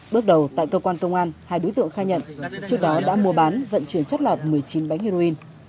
bước đầu tại cơ quan công an hai đối tượng khai nhận trước đó đã mua bán vận chuyển chất lọt một mươi chín bánh heroin